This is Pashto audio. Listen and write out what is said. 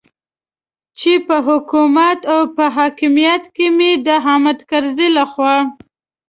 چې په حکومت او په حاکمیت کې مې د حامد کرزي لخوا.